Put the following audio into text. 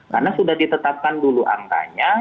karena sudah ditetapkan dulu antaranya